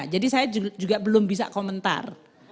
jadi saya juga belum bisa komentar